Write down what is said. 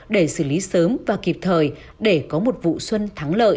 để xử lý sớm và kịp thời để có một vụ xuân thắng lợi